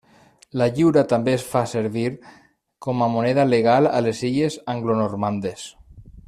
La lliura també es va fer servir com a moneda legal a les illes Anglonormandes.